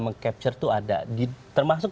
meng capture itu ada termasuk